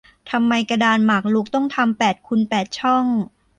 ทำไมกระดานหมากรุกต้องทำแปดคูณแปดช่อง